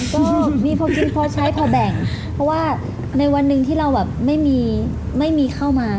ก็มีพอกินพอใช้พอแบ่งเพราะว่าในวันหนึ่งที่เราแบบไม่มีไม่มีเข้ามา